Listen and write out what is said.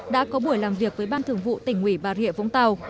đã có buổi làm việc với ban thường vụ tỉnh ủy bà rịa vũng tàu